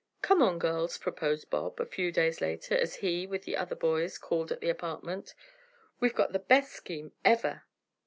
"Come on, girls!" proposed Bob, a few days later, as he, with the other boys, called at the apartment "We've got the best scheme ever!"